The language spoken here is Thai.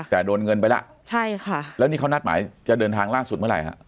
แต่โดนเงินไปแล้วใช่ค่ะแล้วนี่เขานัดหมายจะเดินทางล่าสุดเมื่อไหร่ฮะ